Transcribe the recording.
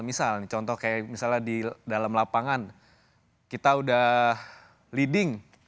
misal contoh kayak misalnya di dalam lapangan kita udah leading